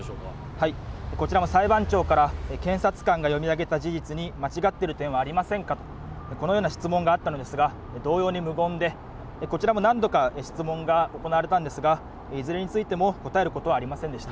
はい、こちらも裁判長から検察が読み上げた事実に間違ってる点はありませんかとこのような質問があったのですが同様に無言でこちらも何度か質問が行われたのですがいずれにしても答えることはありませんでした。